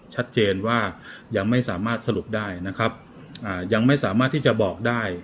ชัดเจนว่ายังไม่สามารถสรุปได้นะครับอ่ายังไม่สามารถที่จะบอกได้